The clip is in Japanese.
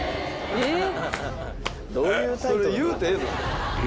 えっ？